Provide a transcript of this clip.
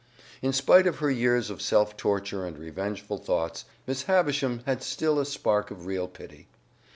In spite of her years of self torture and revengeful thoughts, Miss Havisham had still a spark of real pity.